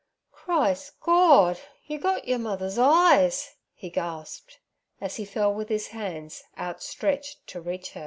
'Christ Gord! yur gut yur mother's eyes' he gasped, as he fell with his hands outstretched to reach her.